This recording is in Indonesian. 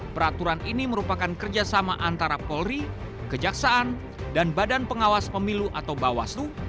peraturan ini merupakan kerjasama antara polri kejaksaan dan badan pengawas pemilu atau bawaslu